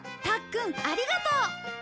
たっくんありがとう！